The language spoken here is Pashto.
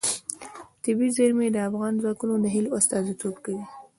طبیعي زیرمې د افغان ځوانانو د هیلو استازیتوب کوي.